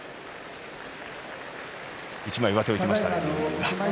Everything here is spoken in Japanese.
一枚上手をいきましたね。